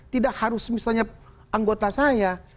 tidak harus misalnya anggota saya